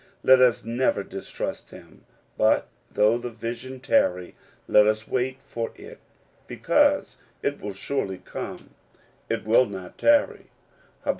Let us never distrust him, but though the vision tarry, let us wait for it ; because it will surely come, it will not tarry (Hab.